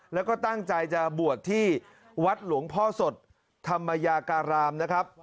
แล้วก็ตั้งใจจะบวชที่วัดหลวงพ่อสดธรรมยาการามนะครับ